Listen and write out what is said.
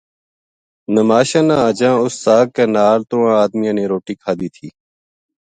نماشاں نا اَجاں اُس ساگ کے نا ل ترواں ادمیاں نے روٹی کھادی تھی